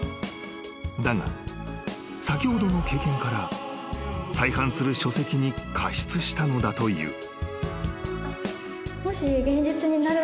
［だが先ほどの経験から再販する書籍に加筆したのだという］